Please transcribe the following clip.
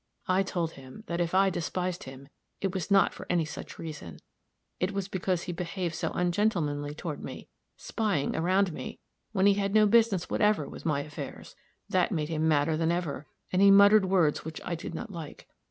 I told him that if I despised him, it was not for any such reason. It was because he behaved so ungentlemanly toward me, spying around me, when he had no business whatever with my affairs. That made him madder than ever, and he muttered words which I did not like.